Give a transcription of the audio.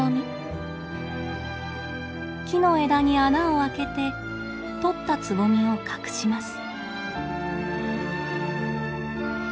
木の枝に穴を開けてとったつぼみを隠します。